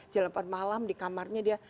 jalan per malam di kamarnya dia